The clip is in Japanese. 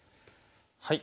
はい。